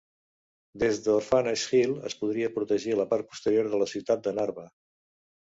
Des d'Orphanage Hill es podria protegir la part posterior de la ciutat de Narva.